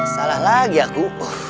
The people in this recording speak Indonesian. salah lagi aku